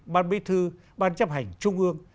ban bí thư ban chấp hành trung ương